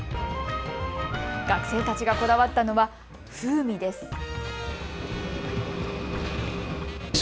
学生たちがこだわったのは風味です。